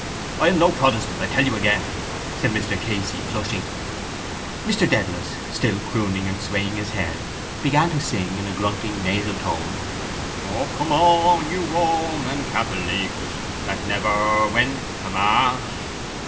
—I am no protestant, I tell you again, said Mr Casey, flushing. Mr Dedalus, still crooning and swaying his head, began to sing in a grunting nasal tone: O, come all you Roman catholics That never went to mass.